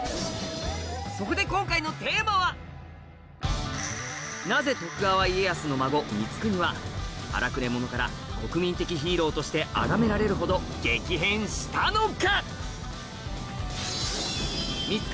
そこでなぜ徳川家康の孫光圀は荒くれ者から国民的ヒーローとしてあがめられるほど激変したのか？